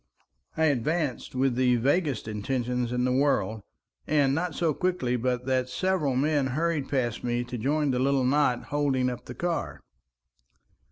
I advanced with the vaguest intentions in the world, and not so quickly but that several men hurried past me to join the little knot holding up the car.